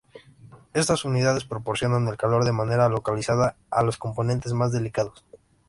Estas unidades proporcionan el calor de manera localizada a los componentes más delicados.